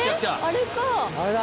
あれだ。